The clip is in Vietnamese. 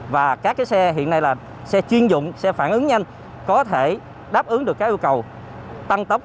và các xe hiện nay là xe chuyên dụng sẽ phản ứng nhanh có thể đáp ứng được các yêu cầu tăng tốc